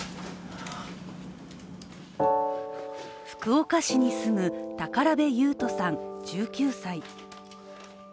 福岡市に住む財部遊斗さん１９歳。